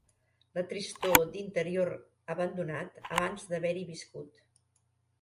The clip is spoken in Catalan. La tristor d'interior abandonat abans d'haver-hi viscut